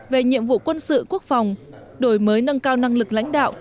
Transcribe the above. về nhiệm vụ quân sự quốc phòng đổi mới nâng cao năng lực lãnh đạo